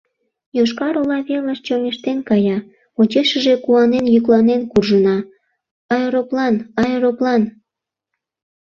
Йошкар-Ола велыш чоҥештен кая, почешыже куанен йӱкланен куржына: «Аэроплан, аэроплан!